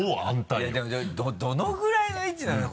いやでもどのぐらいの位置なの？